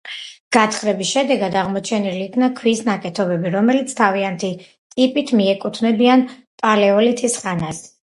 გათხრების შედეგად აღმოჩენილი იქნა ქვის ნაკეთობები, რომელიც თავიანთი ტიპით მიეკუთვნებიან პალეოლითის ხანას.